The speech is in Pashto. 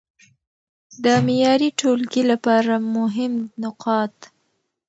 د معياري ټولګي لپاره مهم نقاط: